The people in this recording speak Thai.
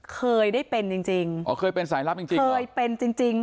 เคยได้เป็นจริงจริงอ๋อเคยเป็นสายลับจริงจริงเคยเป็นจริงจริง